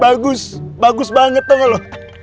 bagus bagus banget tau gak lo